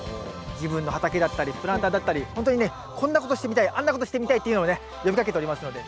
自分の畑だったりプランターだったりほんとにねこんなことしてみたいあんなことしてみたいっていうのをね呼びかけておりますので。